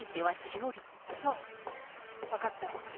そう分かった。